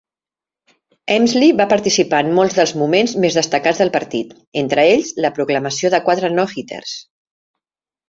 Emslie va participar en molts dels moments més destacats del partit, entre ells la proclamació de quatre no-hitters.